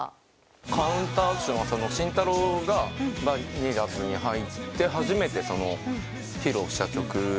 『カウンターアクション』は進太郎がバニラズに入って初めて披露した曲。